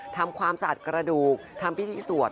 ทำความสะอาดกระดูกทำพิธีสวด